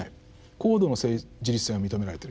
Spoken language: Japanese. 高度の自立性が認められてる。